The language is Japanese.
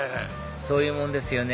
そういうもんですよね